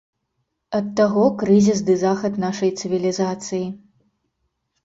Ад таго крызіс ды захад нашай цывілізацыі.